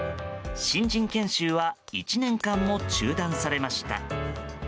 新人研修は１年間も中断されました。